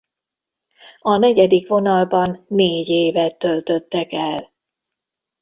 A negyedik vonalban négy évet töltöttek el.